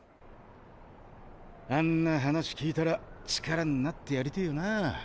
あんな話聞いたら力になってやりてぇよな。